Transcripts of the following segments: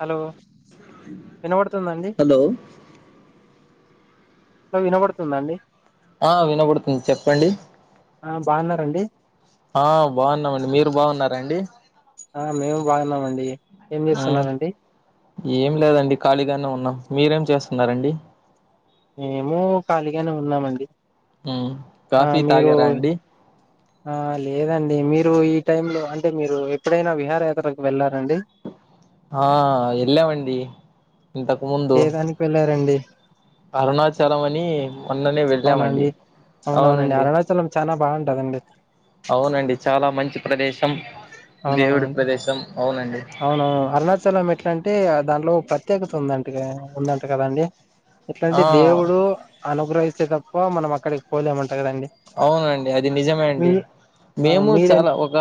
Hello వినబడుతుందండి hello వినబడుతుందా అండి ఆ వినబడుతుంది చెప్పండి ఆ బాగున్నారాండి ఆ బాగున్నామండి మీరు బాగున్నారాండి ఆ మేము బాగున్నామండి ఏం మ్మ్ చేస్తున్నరండి ఏం లేదండి ఖాళీగానే ఉన్నాం మీరేం చేస్తున్నారండి మేము ఖాళీగానే ఉన్నామండి ఉమ్ ఆ కాఫీ మీరు తాగరా అండి ఆ లేదండి మీరు ఈ టైంలో అంటే మీరు ఎప్పుడైనా విహారయాత్రకు వెళ్ళారండి ఆ ఎల్లామండీ ఏదానికి వెళ్ళారండి అరుణాచలం అనీ అవునండి అవునవునండి అరుణాచలం చాల బాగుంటదండి అవునండి చాలా మంచి ప్రదేశం దేవుడి అవునవునండి ప్రదేశం అవున అవునవును అరుణాచలం ఎట్లా అంటే ఆ దాంట్లో ప్రత్యేకత ఉందం అ ఉందంట కదండి ఎట్లాంటే ఆ దేవుడు అనుగ్రహిస్తే తప్ప మనం అక్కడికి పోలేమం అవునండి అది నిజమే అండి ఆ మేము మీరేం చాలా ఒక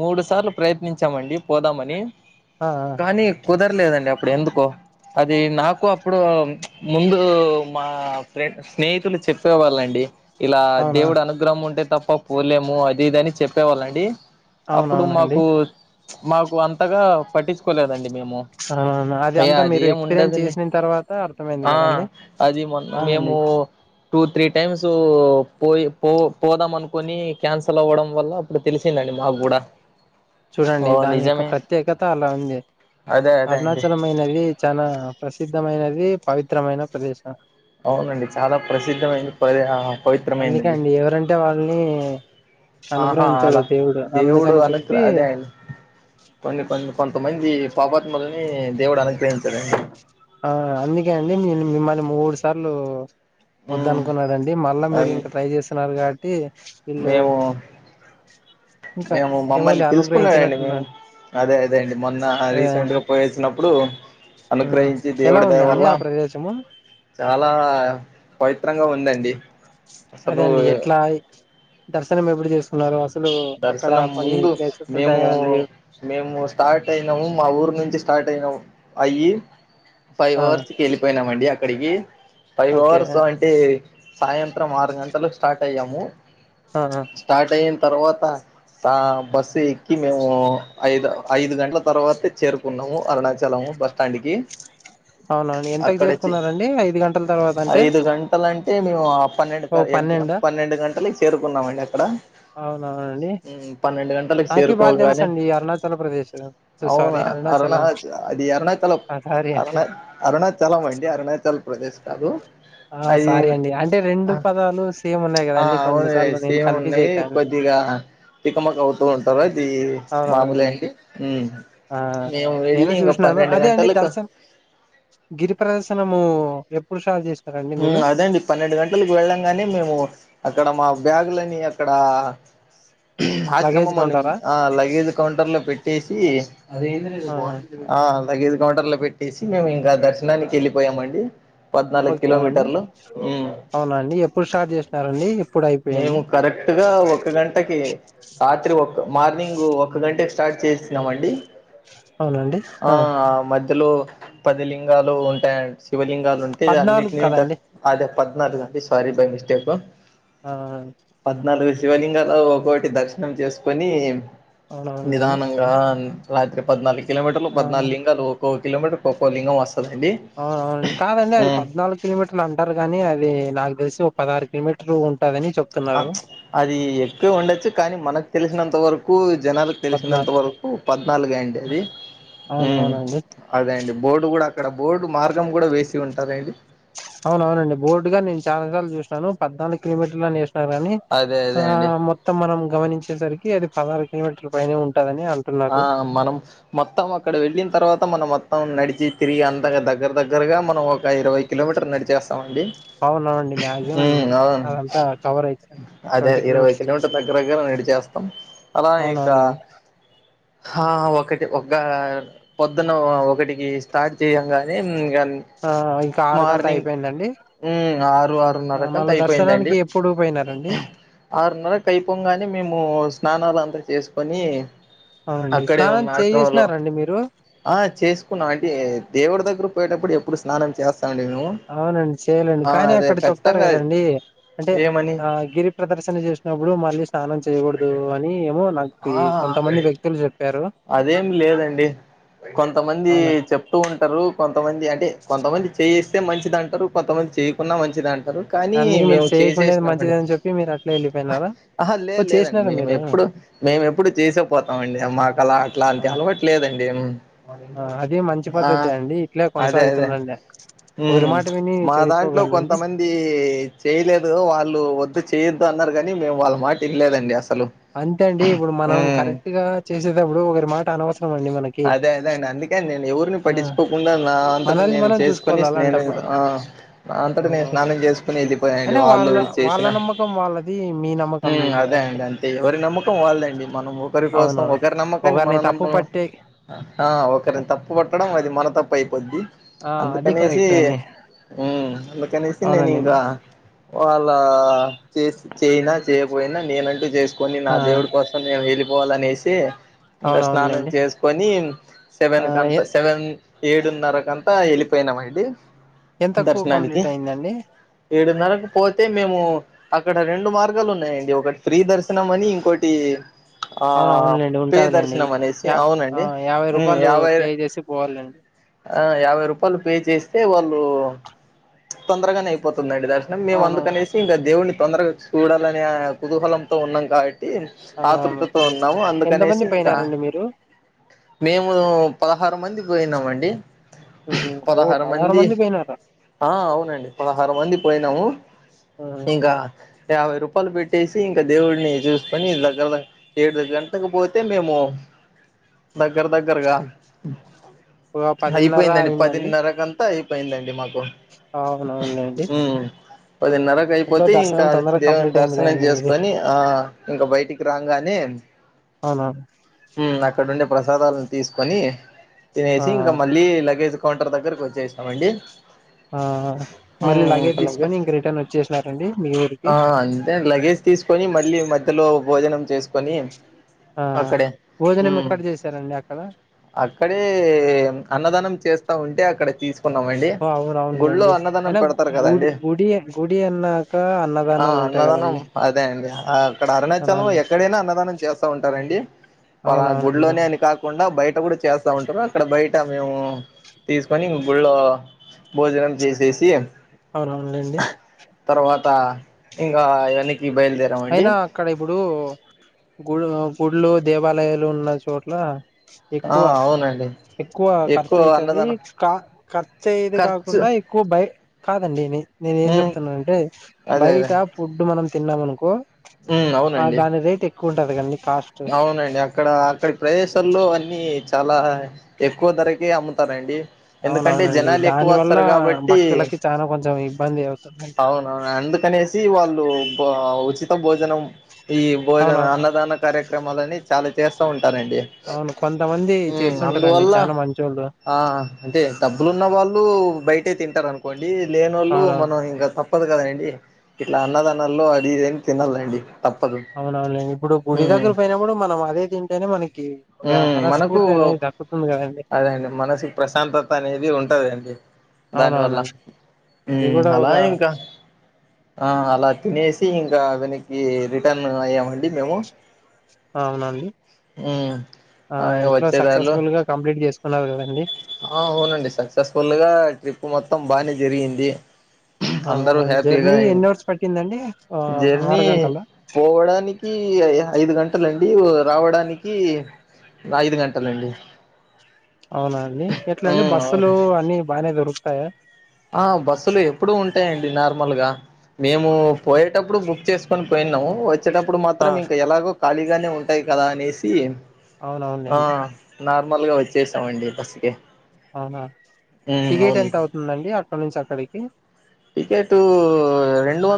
మూడు సార్లు ప్రయత్నించామండి పోదామని ఆ ఆ కానీ కుదరలేదండి అప్పుడు ఎందుకో అది నాకు అప్పుడు ముందు మా ఫ్రెండ్ స్నేహితులు చెప్పే వాళ్ళండి ఇలా అవునా దేవుడు అనుగ్రహం ఉంటే తప్ప పోలేము అది ఇదిని చెప్పేవాళ్ళండి అప్పుడు అవునవునండి మాకు చ్ మాకు అంతగా పట్టించుకోలేదండి మేము అవునవును అది అయ అంతా మీరు ఎక్స్పీరియన్స్ అదేముండదులె చేసిన తర్వాత అర్థమైంది ఆ కదండి అది మొన్న మేము అవునండి టూ త్రీ టైమ్స్ పోయి పో పోదాం అనుకుని క్యాన్సల్ అవ్వడం వల్ల అప్పుడు తెలిసిందండి మాకు కూడా చూడండి ఓ దాని యొక్క నిజమే ప్రత్యేకత అలా ఉంది అదే అదే అండి అరుణాచలమైనది చాలా ప్రసిద్ధమైనది పవిత్రమైన ప్రదేశం అవునండి చాలా ప్రసిద్ధమైనంది పరియా అందుకండి ఎవరంటే వాళ్ళని ఆహా అనుగ్రహించాడు అలా దేవుడు అందుకని అనుగ్ర చెప్పి అదే అండి కొన్ని కొన్ని కొంతమంది పాపాత్ములని దేవుడు అనుగ్రహించడండి ఆ అందుకే అండి న మిమ్మల్ని మూడు సార్లు వద్ద ఉమ్ అనుకున్నారండి మళ్ళా మీరు అది ఇంక ట్రై చేస్తున్నారు కాబట్టి ఇల్లో మేము మేము మమ్మల్ని పిలుసుకున్నారండి మేము. అదే అదే అండి మొన్న అదే రీసెంట్ గా పోయేసి వచ్చినప్పుడు. ఉమ్ అనుగ్రహించి ఎలా దేవుడి దయ ఉందండి వల్ల. ఆ ప్రదేశము చాలా పవిత్రంగా ఉందండి. అదే అసలు అండి ఎట్లా దర్శనం ఎపుడు చేసుకున్నారు అస్ దర్శనం ముందు మేము కదండి మేము స్టార్ట్ అయినాము మా ఊరు నుంచి స్టార్ట్ అయినము అయ్యి ఫైవ్ ఆ అవర్స్కి ఎళ్ళిపోయినమండి అక్కడికి ఫైవ్ ఓకే అవర్స్ అంటే సాయంత్రం ఆరు గంటలకు స్టార్ట్ అయ్యాము ఆ ఆ! స్టార్ట్ అయిన్ తర్వాత. ఆహ్ బస్సు ఎక్కి మేము ఐదు ఐదు గంటల తర్వాత చేరుకున్నాము అరుణాచలము. బస్ స్టాండ్కి. అవునా అండి ఎంతకు చేరుకున్నారండి ఐదు గంటల తర్వాత అంటే. అంటె మేము అహ్ పన్నెండు ఓ క ఎగ్స పన్నెండా పన్నెండు గంటలకి చేరుకున్నామండి అక్కడ. అవ్. ఆహ్ ఆండి పన్నెండు గంటలకి నాకి బాగ తెలుసు చేరుకోగానే అండి అరుణాచల ప్రదేశం సొ సారీ అరుణాచలం. అది అది అరుణాచలం ఆ! సారీ అండి. అరుణ అరుణాచలం అండి అరుణాచల్ ప్రదేశ్ కాదు. ఆహ్ సారీ అండి అది అంటే రెండు పదాలు సేమ్ ఉన్నాయి గదండి కొన్నీ సార్లు నేను కన్ఫ్యూజ్ అయిపోయను. గా తికమకా అవుతూ ఉంటరు ఇది మాములే అండి ఉమ్. ఆహ్ మేము వెళ్ళి మేమే ఇంక చూసినాము పన్నెండు అదే అండి గంటలకు దర్శనం గిరి ప్రదర్శనమూ. ఎప్పుడు స్టార్ట్ చేయాచ్. హ్మ్ అదే అండి పన్నెండు గంటలకు వెళ్ళంగానే మేము అక్కడ మా బ్యాగులన్ని. అక్కడా. లగేజ్ ఆశ్రమమనుంది కౌంటారా అహ్ లగేజ్ కౌంటర్ లో పెట్టేసి ఆహ్. ఆ లగేజ్ కౌంటర్ లో పెట్టేసి మేము ఇంకా దర్శనానికి ఎళ్ళిపోయామండి. ఓకే అండి అవునా అండి ఎప్పుడు స్టార్ట్ జేశినారండి. మేము కరెక్ట్ గా ఒక గంటకి రాత్రి ఒక. మార్నింగు ఒక గంటే స్టార్ట్ చేసినామండి అవునండి ఆ ఆహ్ మద్. మధ్యలో పది లింగాలు ఉంటాయి అన్ శివలింగాలు ఉంటయి పద్నాలుగు అన్నింటిని తట్ కదండి అది. పద్నాలుగు అండి సారీ బై మిస్టేకు. ఆహ్. శివలింగాలో ఒక్కోక్కటి దర్శనం చేసుకొని అవునవునులేండి నిదానంగా. రాత్రి పద్నాలుగు కిలోమీటర్లు ఆ పద్నాలుగు లింగాలు ఒక్క కిలోమీటర్ కు ఒక్కొ లింగం వస్. అవును అవునండి కాదండి అది పద్నాలుగు కిలోమీటర్లు అంటారు గానీ అది నాకు. తెలిసి ఒక పదహరు కిలోమీటర్ ఉన్. ప్చ్ అది ఎక్కువె ఉండొచ్చు కానీ మనకు తెలిసినంత వరకు. జనాలకు తెలిసినంత పద్నాలుగు వరకు పద్నాలుగే అండి అది. ఉమ్ అవునవునండి అదే అండి బోర్డు గూడా అక్కడ బోర్డు మార్గం గూడా వేసి ఉంటదండి. అవునవునండి బోర్డుగా నేను చానా సార్లు చూసినను పద్నాలుగు కిలోమీటర్లు అనేసు. వుంటదని అదే అదే అండి ఆహ్ మొత్తం మనం గమనించేసరికి అది పదహారు కిలోమీటర్ల పైనె ఉన్. ఆహ్ మనం మొత్తం అక్కడ వెళ్ళిన తర్వాత మనం మొత్తం నడిచి తిరిగి అంతగా దెగ్గర దెగ్గ. దగ్గరగా మనం ఒక ఇరవై కిలోమీటర్ నడిచేస్తామండి. అవునవునండి మాక్సిమం ఉమ్ అవును అదంతా కవర్ అయితది అదే ట్వంటీ ఇరవై కిలోమీటర్స్ కిలోమీటర్ దెగ్గర దెగ్గర నడిచేస్తాం. అలా ఇంకా. అవునవునండి ఆహ్ ఒకటి బుగ్గ పొద్దున ఒకటికి స్టార్ట్ చేయంగానే ఇంగ. ఆహ్ ఇంకా ఆరుకంతా మార్నింగ్ అయిపోయిందంటే. ఉమ్ ఆరు ఆరున్నరకంతా అయిపోయిందండి. ఎప్పుడు పోయినారండి ఆరున్నరకి ఐపొంగానే మేము స్నానాలు అంతా చేసుకొని. అవునండి అక్కడే స్నానం ఉన్న ఆశ్రమంలో చేసినారండి మీరు ఆహ్ చేసుకున్నాం అంటే దేవుడి దెగ్గర. పోయేటప్పుడు ఎప్పుడు స్నానం చేస్. అవునండి చేయలండి కానీ అదే అక్కడ చెప్తారు ఖచ్చితంగా గదండి అంటే ఏమని ఆహ్ గిరి ప్రదర్శన చేస్. సినప్పుడు మళ్ళీ స్నానం చేయకూడదు అని ఏమో నాకి కొంతమంది వ్యక్తులు చెప్పా అదేమి లేదండి కొంతమంది అవునా చెప్తూ ఉంటరు కొంతమంది అంటే కొంతమంది చేస్ స్తె మంచిది అంటరు కొంతమంది చేయకున్నా మంచిది అన్ కానీ అందుకే మీరు మేము చేయకుండేది మంచిది చేసేస్నామండి. అని చెప్పి మీరు అట్లా వెళ్ళిపోయినారా ఆహా ఓ లేద్ లేదండి చేసినారా మీరు మేమోప్పుడు. మేమోప్పుడు చేసే పోతామండి మాకు అలా ఆ అట్లాంటి అలవాట్లేదండి. ఆ అది మంచి పద్ధతే ఆహ్ అండి ఇట్లే అదే అదే. కొనసాగుతుండండి ఒకరి మ్ మాట విని మా దాంట్లో చెడిపోకండి కొంతమంది చేయలేదు వాళ్ళు వద్దు చేయొద్దు అన్నారు గన్ మేము వాళ్ళ మాటిన్లేదండి అస్ అంతే అండి ఇప్పుడు మనం కరెక్ట్ గా చేసేటప్పుడు ఒకరి మాటనవస్ అదే అదండి అందుకని నేను ఎవరిని ఆ పటించుకోకుండా నా అంతట మనల్ని నేను మనం చేసుకోని చూసుకోవాలి నేను అలాంటప్పుడు ఆ అంతట నేను స్నానం అవునవునండి చేసుకుని వెళ్ళిపోయానండి అయినా వాళ్ళు వాళ్ళ వాళ్ళ చేసిన నమ్మకం వాళ్ళది మీ హు నమ్మకం మీది అదే కదండి అండి అద్ అ ఎవరి నమ్మకం వాళ్ళదండి మనం ఒకరి కోసం అవునవును ఒకరి నమ్మకాన్ని ఒకరిని మనం తప్పు నమ్మ పట్టే ఆ ఒకరిని తప్పు పట్టడం అది మన తప్పైపోద్ది ఆ అది అందుకనేసి కరెక్ట్ అండి మ్ అందుకనేసి నేను అవునండి ఇంకా వల్ లా చే స్ చేయపోయినా నేనంటూ చేసుకుని నా ఆ దేవుడి కోసం నేను వె పోవలనేసి ఇంకా స్నానం అవునవునులేండి చేస్ కొని ఆ సెవెన్ ఎ కంతా సెవెన్ ఏడున్నరకంతా వెళ్ళిపోయ్నామండి ఎంతకు కంప్లీటైదండి ఏడున్నరకు పోతే మేము అక్కడ రెండు మార్గాలు ఉన్నాయండి ఒకటి ఫ్రీ దర్శ నం అని ఇంకోటి ఆ అవున అవునులేండి పే ఉంటదిలేండి దర్శనం అనేసి యా అవునం ఆ యాభై రూపాలు పే చేసి పోవాలండి ఆ యాభై రూపాలు పే చేస్తే వాళ్ళు తొందర్గానే పోతుందండి దర్శనం మేము అవునవును అందుకనేసి ఇంకా దేవుడిని తొందరగా చూడాలనే కుతూహలంతో ఉన్నాం కాబట్ అవునవును ఆతృతతో ఉన్నాము ఎంత అందుకనేసి మంది ఇంకా పోయినారండి మీరు మేము పదహారు మంది పోయినామండి మ్ హు ఓ పదహారు మంది పోయినారా ఆ అవునండి పదహారు మంది పోయినాము ఆహా! ఇంకా యాభై రూపాలు పెట్టేసి ఇంకా దేవుడిని జూస్కొని దగ్గర ఏడు గంటకు పోతే మేము దగ్గర దగ్గరగా ఒక పదిన్నర అయిపోయిందండి అయిందండి పదిన్నరకంత్ అ అయిపోయిందండి మాకు అవునవునులేండి మ్ పదిన్నరకు ఎట్లో అయిపోతే దర్శనం ఇంకా తొందరగా దేవుని కంప్లీట్ అయింది దర్శనం కదండి మీది చేసుకొని ఆ ఇంకా బయటికి రాగానే అవునా ఆడున్డే ప్రసాదాల తీసుకొని ఆ తినేసి ఇంకా మళ్ళీ లగేజ్ కౌంటర్ దగ్గరకి కోచ్చేస్నమండి ఆ ఆ మళ్ళీ లగేజ్ తీసుకొని ఇంక రిటర్న్ ఓచ్చేసినారండి మీ ఊరికి గేజ్ తీసుకొని మళ్ళీ మధ్యలో భోజనం చేసుకొని ఆ ఒ మ్ అక్కడే అన్నదానం చేస్తా ఉంటే అక్కడ తీసుకున్నామండి గుళ్ళో అవ్ననవునులేండి అన్నదానం అయినా పెడతారు గుడి కదండి గుడి గుడి అన్నాక అన్నదా ఆ అన్నదానం అదేండి అక్కడ అరుణాచాలం అవునండి ఎక్కడైనా అన్నదానం చేస్ ట ఉంటారండి అలా అవునవునండి గుడ్లోనేని కాకుండా బయట కూడా చేస్తా ఉంటారు అక్కడ బయట మేము తీసుకొని గుళ్ళో భోజనం చేసేసి అవునవునులేండి తర్వాత ఇంకా వేన్నికి బయలుదేరమండి గుడ్ ఆ గుళ్ళో దేవాలయాలు ఉన్నా చోట్ల ఆ ఎక్కువ అవునండి ఎక్కువ ఎక్కువ ఖర్చైతది అన్నదానం కా ఖర్చైయేది ఖర్చు కాకుండా ఎక్కువ బై కాదండి నే నేను ఏం ఉమ్ చెప్తున్నా అంటే బయట ఫుడ్ మనం తిన్నామ అనుకో ఉ అవునండి కూట అడగండి. అవునండి అక్కడ అక్కడి ప్రదేశాల్లో అన్నీ చాలా ఎక్కువ ధరకే అమ్ము తరండి ఎందుకంటే అవునవునండి దాని వల్ల జనాలేక్కువోస్తారు కాబట్టి భక్తులకి చానా కొంచెం ఇబ్బంది అవుతుందండి అవునవును అన్ ఎందుకనేసి వాళ్ళు ఓ ఆ ఉచిత భోజనం ఈ భోజన అవును అన్నదాన కార్యక్రమాలని చాలా చేస్తా ఉం టారండి అవును కొంతమంది మ్ చేస్తుంటారండి అందువల్ల చానా మంచోళ్ళు ఆ అంటే డబ్బులున్న వాళ్ళు బయటే తింటారు అనుకోండి. లేనోళ్ళు అవునవును మనం ఇంగ త ప్పదు కదండి ఇట్లా అన్నదానాల్లో అదిదేమి తినాలండి. తప్పదు అవునవునులే ఇప్పుడు గుడి ఉమ్ దగ్గర పోయినప్పుడు మనం అదే తింటేనే మనకి ఒక మనస్ఫూర్తి అనేది దక్కుతుంది కదా. అదే అండి మనసుకి ప్రశాంతత అనేది ఉంటదండి దానివల్ల. అవునవునండి అది మ్ కూడా ఒక అలాగే ఇంకా ఆ అలా తినేసి ఇంకా గనికి ఈ రిటర్న్ అయ్యామండి మేము. అవునండి ఉమ్ ఆ ఎట్లో సక్సెస్ఫుల్గా కంప్లీట్ చేసుకున్నారు కదండీ. ఆ అవునండి సక్సెస్ఫుల్ గా ట్రిప్ మొత్తం బానే జరిగింది. ఆ అందరూ హ్యాపీగా జర్నీ అయింది ఎన్నిఅవర్స్ పట్టిందండి ఆ ఆరు జర్నీ గంటల పోవడానికి ఐ ఐదు గంటలం డివు రావడానికి ఐదు గంటలండి అవున అండి ఎట్ల అండి ఉమ్ బస్సులు అవును అన్ని బానే దొరుకుతాయా? ఆ బస్సులు ఎప్పుడు ఉంటాయండి నార్మల్గా మేము పోయేటప్పుడు బుక్ చేసుకొని పోయినాం వచ్చేటప్పుడు ఆ మాత్రం ఇంకా ఎలాగో ఖాళీగానే ఉంటాయి కదా అనేసి ఆ అవునవునండి నార్మల్గా వచ్చేసామండి బస్సుకె ఆహా టికెట్ ఎంత అవుతుందండి అక్కడ నుంచి అక్కడికి?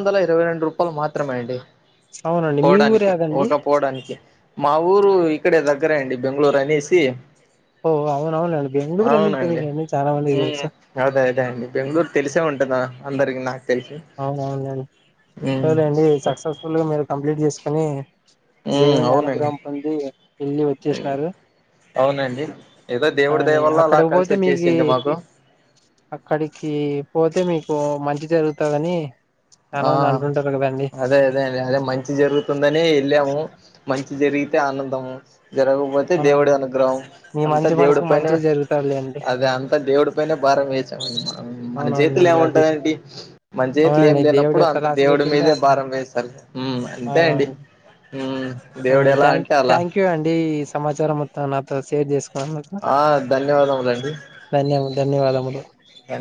అవతల ఇరవై రెండు రూపాయలు మాత్రమే అండి అవునండి మీ ఊరు పోవడానికి ఏదండి ఒక పోడానికి మా ఊ ఊరు ఇక్కడే దగ్గరెఅండి బెంగళూరు అనేసి ఓ అవునవునండి బెంగళూరు ఎందుకు అవునండి తెలియదండి చాలా మందికి ఉమ్ తెలుసు అదే అదే అండి బెంగళూరు తెలిసే ఉం టదా అందరికి నాకు తెలిసి అవునవునండి ఉమ్ ఎట్టాయితేంది సక్సెస్ఫుల్ గా మీరు కంప్లీట్ చేసుకుని ఉమ్ దేవుని అవునండి అనుగ్రహం పొంది వెళ్ళి వచ్చేసినారు. అవునండి ఏదో ఆ దేవుడి దయవల్ల అలా అక్కడికి కలిసి పోతే మీకు వచ్చేసింది మాకు. అక్కడికి పోతే మీకు మంచి జరుగుతదని ఆ చానమంది అంటుంటారు కదా. అదే అదే అండి అదే మంచి జరుగుతుందని వెళ్ళాము మంచి జరిగితే ఆనందము. జరగపోతే దేవుడు అవునండి అనుగ్రహం మీ అంతా మంచి దేవుడి మనసుకు పైన మంచి జరుగుతారులేండి అదే అంత దేవుడి పైనే భారం వేస్ అవునాండి అది మన అవును చేతులు ఏం అండి దేవు డు లేనప్పుడు అంత ఎట్టారాసి దేవుడి పెట్టుంటే మీదే అట్ట భారం వేస్తారు ఉమ్ ఆ అంతే అండి ఉమ్ దేవుడు ఎలా థాంక్ అంటే అలా థ్యాంక్ యూ అండి ఈ సమాచారం మొత్తం నాతో షేర్ చేసుకో న్నందుకు ఆ ధన్యవాదములండి ధన్యం ధన్యవాదములు.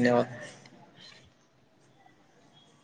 ఏమో